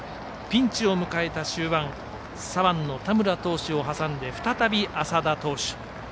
ピンチを迎えた終盤左腕の田村投手を挟んで再び麻田投手。